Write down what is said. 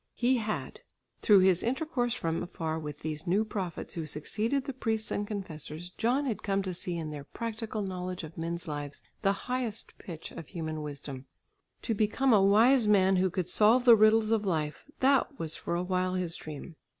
He had. Through his intercourse from afar with these new prophets who succeeded the priests and confessors, John had come to see in their practical knowledge of men's lives, the highest pitch of human wisdom. To become a wise man who could solve the riddles of life, that was for a while his dream.